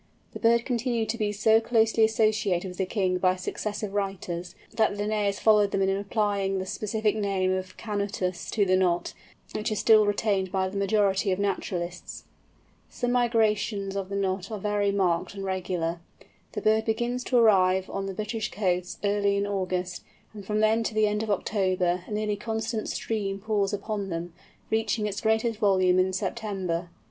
The bird continued to be so closely associated with the king by successive writers, that Linnæus followed them in applying the specific name of canutus to the Knot, which is still retained by the majority of naturalists. The migrations of the Knot are very marked and regular. The bird begins to arrive on the British coasts early in August, and from then to the end of October a nearly constant stream pours upon them, reaching its greatest volume in September.